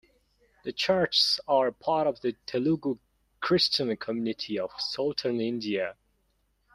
The churches are part of the Telugu Christian community of Southern India.